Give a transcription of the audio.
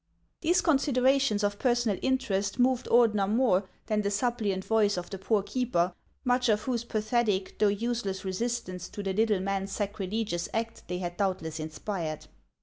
These considerations of personal interest moved Ordener more than the suppliant voice of the poor keeper, much of whose pathetic though useless resistance to the little man's sacrilegious act they had doubtless inspired.